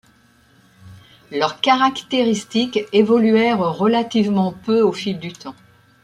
Leurs caractéristiques évoluèrent relativement peu au fil du temps.